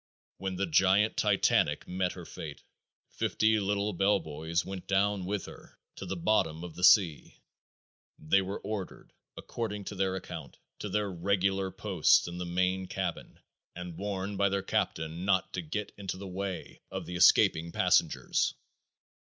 When the giant Titanic met her fate, fifty little bellboys went down with her to the bottom of the sea. They were ordered, according to the account, to their regular posts in the main cabin and warned by their captain not to get into the way of the escaping passengers.